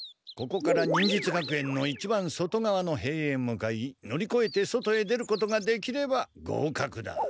ここから忍術学園の一番外側の塀へ向かい乗りこえて外へ出ることができれば合格だ！